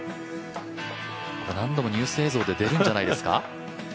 何度もニュース映像で出るんじゃないですか？